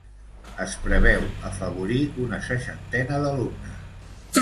Es preveu afavorir una seixantena d’alumnes.